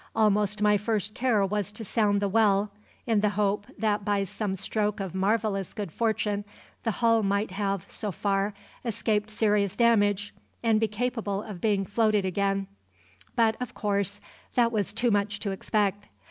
Almost my first care was to sound the well, in the hope that by some stroke of marvellous good fortune the hull might have, so far, escaped serious damage and be capable of being floated again; but, of course, that was too much to expect.